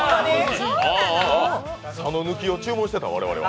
佐野抜きを注文してた、我々は。